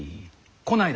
こないだ